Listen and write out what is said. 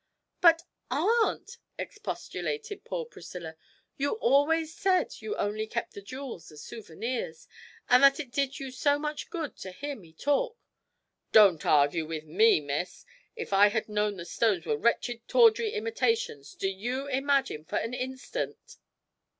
'But, aunt!' expostulated poor Priscilla, 'you always said you only kept the jewels as souvenirs, and that it did you so much good to hear me talk!' 'Don't argue with me, miss! If I had known the stones were wretched tawdry imitations, do you imagine for an instant